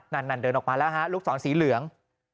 นั่นเดินออกมาแล้วฮะลูกศรสีเหลือง